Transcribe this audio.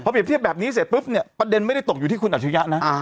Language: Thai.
เปรียบเทียบแบบนี้เสร็จปุ๊บเนี่ยประเด็นไม่ได้ตกอยู่ที่คุณอัจฉริยะนะ